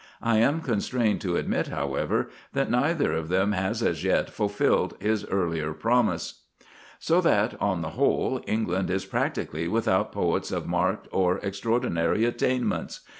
I am constrained to admit, however, that neither of them has as yet fulfilled his earlier promise. So that, on the whole, England is practically without poets of marked or extraordinary attainments.